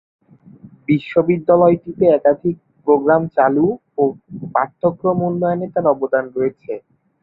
বিশ্ববিদ্যালয়টিতে একাধিক প্রোগ্রাম চালু ও পাঠ্যক্রম উন্নয়নে তার অবদান রয়েছে।